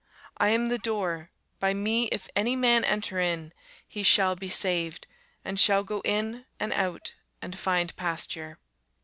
I am the door: by me if any man enter in, he shall be saved, and shall go in and out, and find pasture.